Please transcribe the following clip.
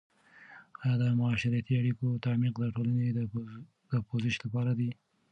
آیا د معاشرتي اړیکو تعمیق د ټولنو د پوزش لپاره دی؟